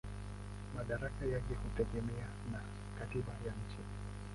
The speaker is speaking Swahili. Madaraka yake hutegemea na katiba ya nchi.